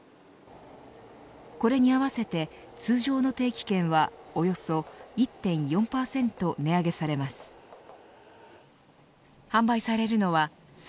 これに合わせて、通常の定期券はおよそ１．４％値上げされます。